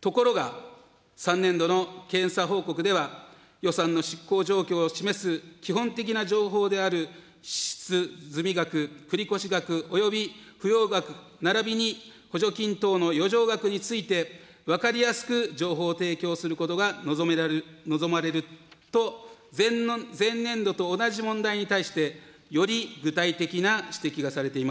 ところが、３年度の検査報告では、予算の執行状況を示す基本的な情報である支出済額、繰越額および不用額ならびに補助金等の余剰額について、分かりやすく情報提供することが望まれると、前年度と同じ問題に対してより具体的な指摘がされています。